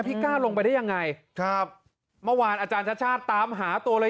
กล้าลงไปได้ยังไงครับเมื่อวานอาจารย์ชาติชาติตามหาตัวเลย